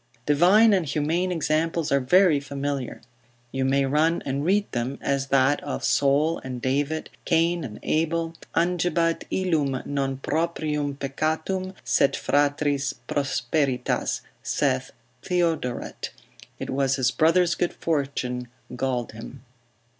Divine and humane examples are very familiar; you may run and read them, as that of Saul and David, Cain and Abel, angebat illum non proprium peccatum, sed fratris prosperitas, saith Theodoret, it was his brother's good fortune galled him.